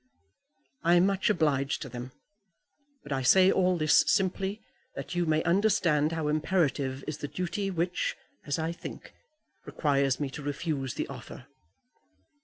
"I am much obliged to them. But I say all this simply that you may understand how imperative is the duty which, as I think, requires me to refuse the offer."